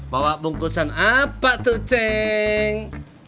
bawa bungkusan apa tuh ceng